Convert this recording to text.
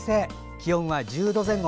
気温は１０度前後。